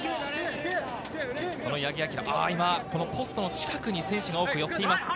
ポストの近くに選手が寄っています。